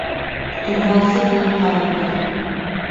Штурвалсы булып ҡарарбыҙ.